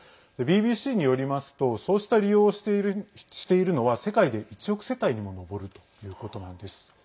ＢＢＣによりますとそうした利用をしているのは世界で１億世帯にも上るということなんです。